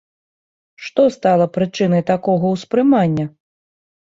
Што стала прычынай такога ўспрымання?